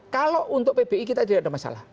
kalau untuk pbi kita tidak ada masalah